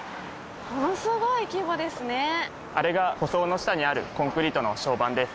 あれが舗装の下にあるコンクリートの床版です。